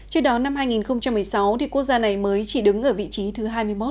trước đó năm hai nghìn một mươi sáu quốc gia này mới chỉ đứng ở vị trí thứ hai mươi một